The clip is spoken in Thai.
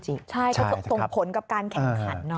ใช่ก็ส่งผลกับการแข่งขัน